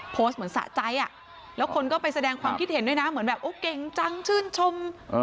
โพสต์เหมือนสะใจอ่ะแล้วคนก็ไปแสดงความคิดเห็นด้วยนะเหมือนแบบโอ้เก่งจังชื่นชม